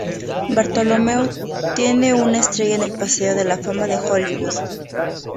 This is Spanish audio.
Bartholomew tiene una estrella en el Paseo de la Fama de Hollywood.